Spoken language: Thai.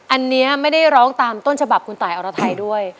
อันนี้ไม่ได้ร้องตามต้นฉบับคุณตายอรไทยด้วย